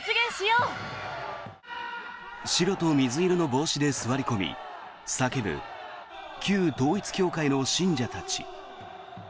白と水色の帽子で座り込み叫ぶ旧統一教会の信者たち。